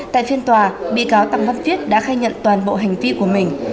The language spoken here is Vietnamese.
tại phiên tòa bị cáo tăng văn viết đã khai nhận toàn bộ hành vi của mình